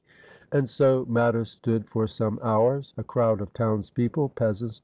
And so matters stood for some hours; a crowd of townspeople, peasants.